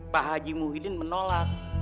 pak haji muhyiddin menolak